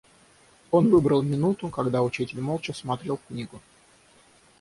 Он выбрал минуту, когда учитель молча смотрел в книгу.